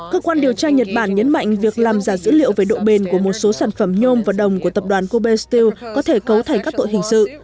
cơ quan điều tra nhật bản nhấn mạnh việc làm giả dữ liệu về độ bền của một số sản phẩm nhôm và đồng của tập đoàn kobe steel có thể cấu thành các tội hình sự